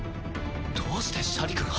どうしてシャディクが？